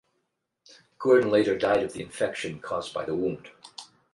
Gordon later died of the infection caused by the wound.